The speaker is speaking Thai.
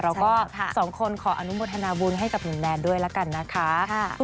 เราก็สองคนขออนุโมทนาบุญให้กับหนุ่มแนนด้วยละกันนะคะ